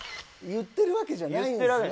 言ってるわけじゃないんですね。